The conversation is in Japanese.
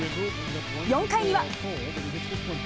４回には。